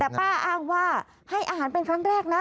แต่ป้าอ้างว่าให้อาหารเป็นครั้งแรกนะ